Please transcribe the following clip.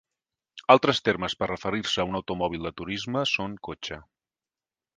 Altres termes per referir-se a un automòbil de turisme són cotxe.